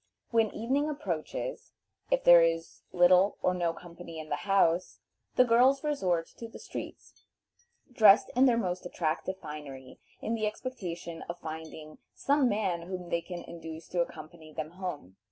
When evening approaches, if there is little or no company in the house, the girls resort to the streets, dressed in their most attractive finery, in the expectation of finding some man whom they can induce to accompany them home.